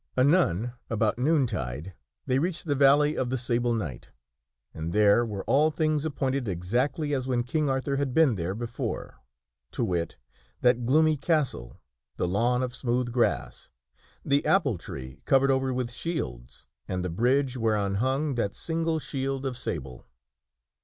Anon, about noon tide, they reached the valley of the Sable Knight, and there were all things appointed exactly as when King Arthur had been there before : to wit, that gloomy castle, the lawn of smooth grass, the apple tree covered over with shields, and the bridge whereon hung that single shield of sable.